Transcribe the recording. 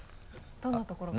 どんなところが？